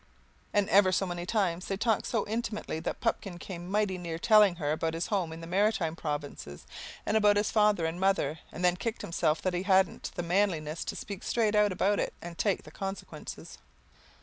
And ever so many times they talked so intimately that Pupkin came mighty near telling her about his home in the Maritime Provinces and about his father and mother, and then kicked himself that he hadn't the manliness to speak straight out about it and take the consequences.